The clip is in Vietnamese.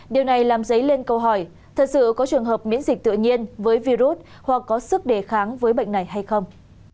điều này làm dấy lên câu hỏi thật sự có trường hợp miễn dịch tự nhiên với virus hoặc có sức đề kháng với bệnh này hay không